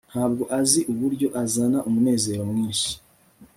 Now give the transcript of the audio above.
ntabwo azi uburyo azana umunezero mwinshi